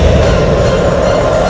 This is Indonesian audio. amin ya rukh alamin